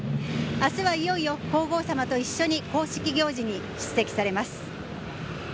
明日はいよいよ皇后さまと一緒に公式行事に出席されます。